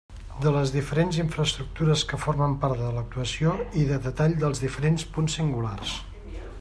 De les diferents infraestructures que formen part de l'actuació i de detall dels diferents punts singulars.